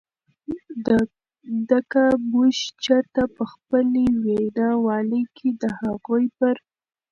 د که مونږ چرته په خپلې وینا والۍ کې د هغوئ پر